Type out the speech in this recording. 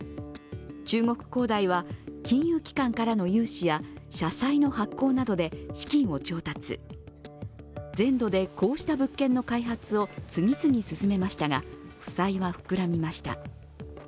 中国恒大は金融機関からの融資や社債の発行などで資金を調達、全土でこうした物件の開発を次々進めましたが、負債は膨らみました。